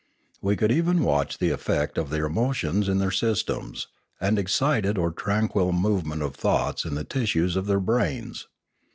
We could even watch the effect of their emotions in their systems, and the excited or tranquil movement of thoughts in the tissues of their brains.